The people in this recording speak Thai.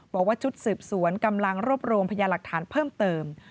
บอกว่าชุดสืบสวนกำลังรวบรวมพยาหลักฐานเพิ่มเติม